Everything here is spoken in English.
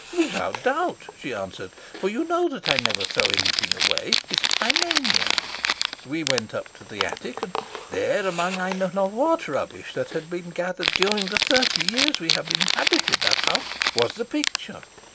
'Without doubt,' she answered, 'for you know that I never throw anything away. It is my mania.' We went up to the attic, and there, among I know not what rubbish that had been gathered during the thirty years we have inhabited that house, was the picture.